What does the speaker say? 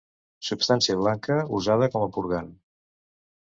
Substància blanca usada com a purgant.